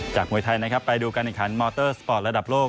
มวยไทยนะครับไปดูการแข่งขันมอเตอร์สปอร์ตระดับโลก